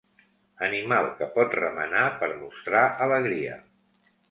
Animal que pot remenar per mostrar alegria.